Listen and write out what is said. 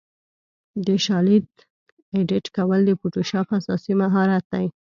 د شالید ایډیټ کول د فوټوشاپ اساسي مهارت دی.